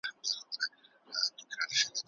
یوه داسې ډله وه په دې وطن کې